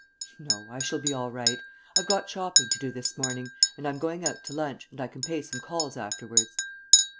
"No, I shall be all right. I've got shopping to do this morning, and I'm going out to lunch, and I can pay some calls afterwards."